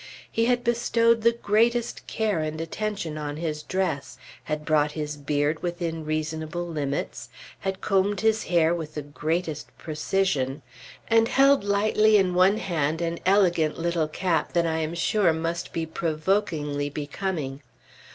He had bestowed the greatest care and attention on his dress, had brought his beard within reasonable limits, had combed his hair with the greatest precision, and held lightly in one hand an elegant little cap that I am sure must be provokingly becoming.